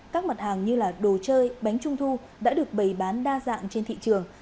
các mặt hàng như đồ chơi bánh trung thu đã được bày bán đa dạng trên thị trường